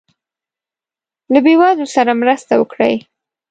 له یی وزلو سره مرسته وکړي